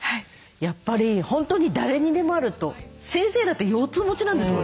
やっぱり本当に誰にでもあると。先生だって腰痛持ちなんですもんね。